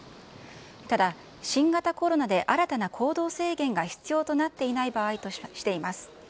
ただ、新型コロナで新たな行動制限が必要となっていない場合としています。